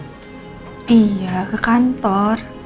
beneran ke kantor